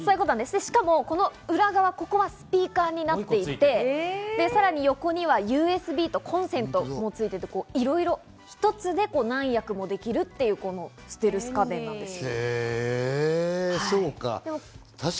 しかも裏側はスピーカーになっていて、さらに横にはＵＳＢのコンセントもついている、一つで何役もできるというステルス家電なんです。